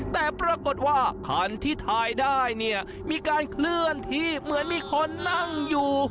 แต่ปรากฏว่าคันที่ถ่ายได้เนี่ยมีการเคลื่อนที่เหมือนมีคนนั่งอยู่